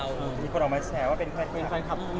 เออที่เขาออกมาแสว่าเป็นแฟนคลับเมียมาก่อน